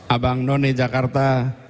abang none jakarta